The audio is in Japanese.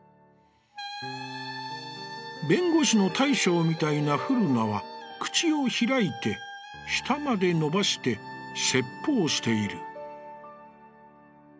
「弁護士の大将みたいな富樓那は、口を開いて舌までのばして説法している」。